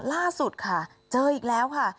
ล่าสุดค่ะเจออีกแล้วค่ะ